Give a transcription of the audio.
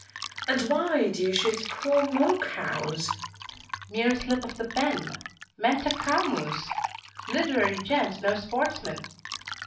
And why do you shoot poor Moo Cows? PUBLISHER. Mere slip of the pen. Meant a Cow Moose. Literary gent no sportsman.